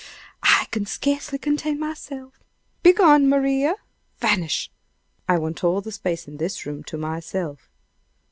I can scarcely contain myself! Begone, Maria! Vanish! I want all the space in this room to myself!